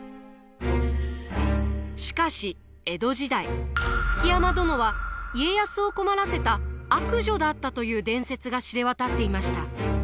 しかし江戸時代築山殿は家康を困らせた悪女だったという伝説が知れ渡っていました。